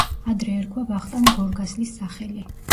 ადრე ერქვა ვახტანგ გორგასლის სახელი.